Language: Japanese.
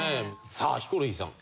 さあヒコロヒーさん。